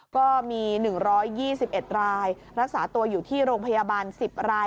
ก็มี๑๒๑รายรักษาตัวอยู่ที่โรงพยาบาล๑๐ราย